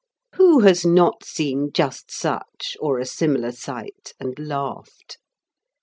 Who has not seen just such, or a similar sight, and laughed?